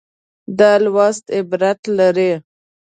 دا لوست عبرت لري.